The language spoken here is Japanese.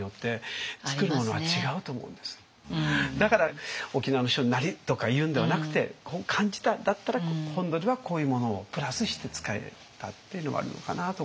だから「沖縄の人なり」とかいうんではなくてこう感じたんだったら本土ではこういうものをプラスして使えたっていうのもあるのかなとか。